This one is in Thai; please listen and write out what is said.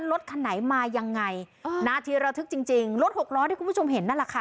รถคันไหนมายังไงเออนาทีระทึกจริงจริงรถหกล้อที่คุณผู้ชมเห็นนั่นแหละค่ะ